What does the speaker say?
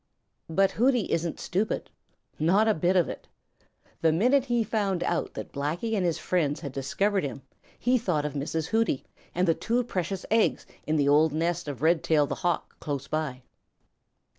But Hooty isn't stupid. Not a bit of it. The minute he found out that Blacky and his friends had discovered him, he thought of Mrs. Hooty and the two precious eggs in the old nest of Redtail the Hawk close by.